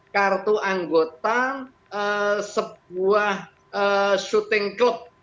kartu anggota sebuah sutra